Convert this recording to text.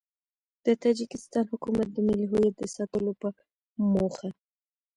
د تاجیکستان حکومت د ملي هویت د ساتلو په موخه